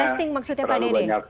testing maksudnya pak dede